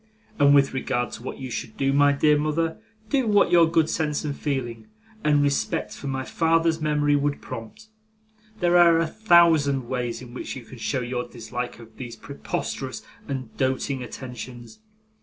And with regard to what you should do, my dear mother, do what your good sense and feeling, and respect for my father's memory, would prompt. There are a thousand ways in which you can show your dislike of these preposterous and doting attentions.